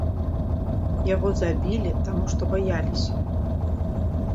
Яго забілі, таму што баяліся.